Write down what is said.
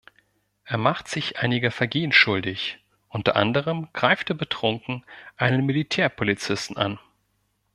Er macht sich einiger Vergehen schuldig, unter anderem greift er betrunken einen Militärpolizisten an.